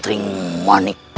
dan langkah selanjutnya